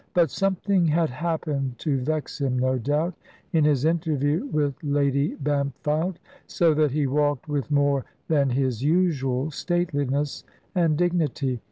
But something had happened to vex him, no doubt, in his interview with Lady Bampfylde, so that he walked with more than his usual stateliness and dignity.